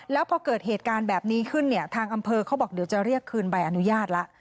แล้วพอเกิดเหตุการณ์แบบนี้ขึ้นเนี่ยทางอำเภอเขาบอกเดี๋ยวจะเรียกคืนใบอนุญาตละ